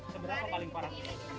seberapa paling parah